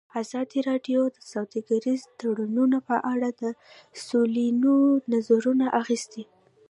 ازادي راډیو د سوداګریز تړونونه په اړه د مسؤلینو نظرونه اخیستي.